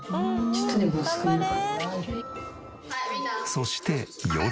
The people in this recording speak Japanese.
そして夜。